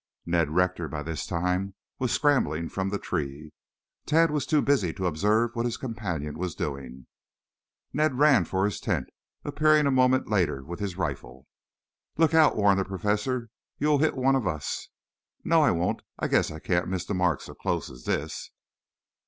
Ned Rector, by this time, was scrambling from the tree. Tad was too busy to observe what his companion was doing. Ned ran for his tent, appearing a moment later with his rifle. "Look out!" warned the Professor. "You will hit one of us." "No, I won't. I guess I can't miss the mark so close as this."